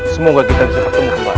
semoga kita bisa ketemu kembali